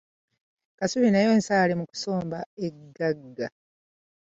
Kasubi naye nsaale mu kusomba egagga.